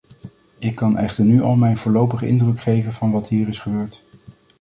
Ik kan echter nu al mijn voorlopige indruk geven van wat hier is gebeurd.